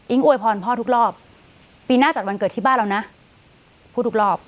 อวยพรพ่อทุกรอบปีหน้าจัดวันเกิดที่บ้านเรานะพูดทุกรอบ